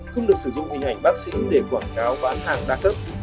không được sử dụng hình ảnh bác sĩ để quảng cáo bán hàng đa cấp